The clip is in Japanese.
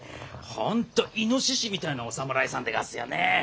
本当猪みたいなお侍さんでがすよね。